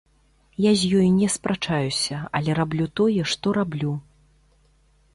Я з ёй не спрачаюся, але раблю тое, што раблю.